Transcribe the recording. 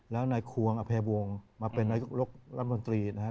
แล้วนายควงอเภวงมาเป็นรัฐมนตรีนะครับ